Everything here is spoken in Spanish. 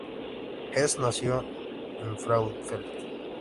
Hess nació en Frauenfeld.